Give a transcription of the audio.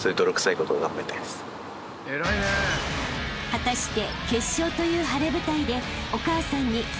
［果たして］